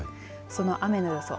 その雨の予想